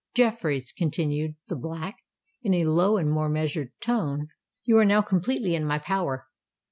Jeffreys," continued the Black, in a lower and more measured tone, "you are now completely in my power.